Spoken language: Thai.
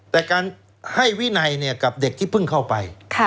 แต่การให้วินัยกับเด็กที่เพิ่งเข้าไป